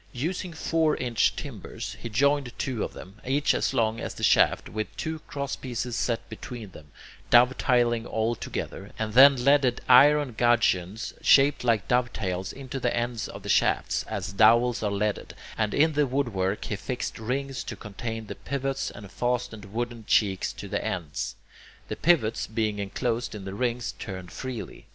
Using four inch timbers, he joined two of them, each as long as the shaft, with two crosspieces set between them, dovetailing all together, and then leaded iron gudgeons shaped like dovetails into the ends of the shafts, as dowels are leaded, and in the woodwork he fixed rings to contain the pivots, and fastened wooden cheeks to the ends. The pivots, being enclosed in the rings, turned freely.